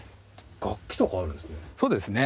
楽器とかあるんですね。